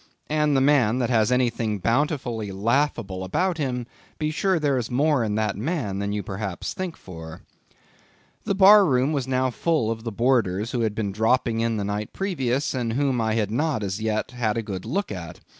And the man that has anything bountifully laughable about him, be sure there is more in that man than you perhaps think for. The bar room was now full of the boarders who had been dropping in the night previous, and whom I had not as yet had a good look at.